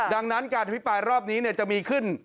ดังนั้นการอภิปรายรอบนี้จะมีขึ้น